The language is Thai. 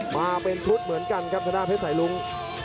มาเป็นพรุธเหมือนกันครับสถานการณ์เพศไสรุ้ง